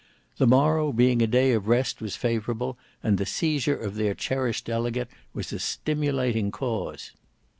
The morrow being a day of rest was favourable, and the seizure of their cherished delegate was a stimulating cause.